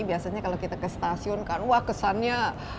biasanya kalau kita ke stasiun kan wah kesannya